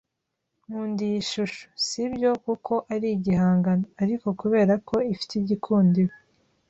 Nkunda iyi shusho, sibyo kuko ari igihangano, ariko kubera ko ifite igikundiro.